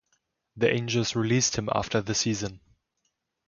The Angels released him after the season.